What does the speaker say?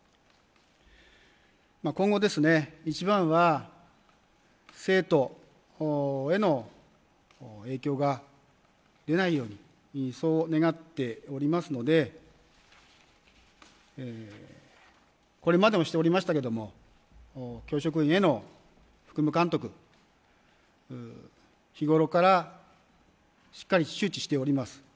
今後、一番は生徒への影響が出ないようにそう願っておりますのでこれまでもしておりましたけども教職員への監督日ごろからしっかり周知しております。